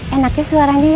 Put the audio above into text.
enaknya suaranya ya pak ya